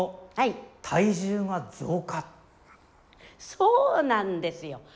そうなんですよ。